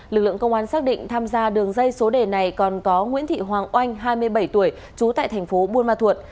lực lượng công an xác định tham gia đường dây số đề này còn có nguyễn thị hoàng oanh hai mươi bảy tuổi trú tại thành phố buôn ma thuột